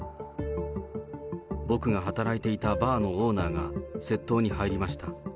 僕が働いていたバーのオーナーが窃盗に入りました。